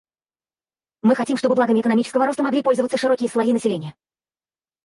Мы хотим, чтобы благами экономического роста могли пользоваться широкие слои населения.